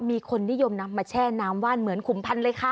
มีคนนิยมนำมาแช่น้ำว่านเหมือนขุมพันธ์เลยค่ะ